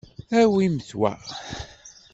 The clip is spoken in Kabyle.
Awimt wa.